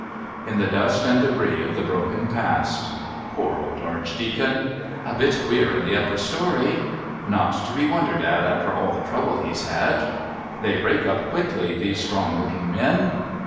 In the dust and debris of the broken past. "Poor old Archdeacon." "A bit queer in the upper storey." "Not to be wondered at after all the trouble he's had." "They break up quickly, those strong looking men."